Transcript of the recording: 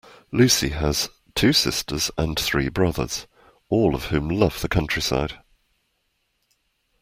Lucy has two sisters and three brothers, all of whom love the countryside